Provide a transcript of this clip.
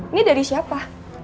ini dari siapa